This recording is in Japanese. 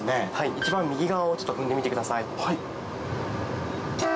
一番右側を踏んでみてください。